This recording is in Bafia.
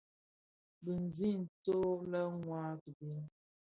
Bizim nto le mua a kiden.